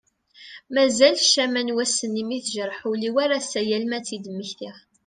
Mazal ccama n wass-nni mi tejreḥ ul-iw ar ass-a yal mi ad d-mmektiɣ.